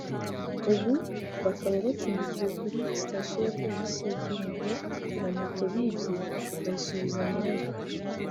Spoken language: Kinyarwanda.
ubu bakaba bacumbikiwe kuri Sitasiyo ya Polisi ya Kibungo na moto bibye bayisubiza nyirayo